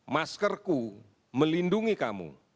maskerku melindungi kamu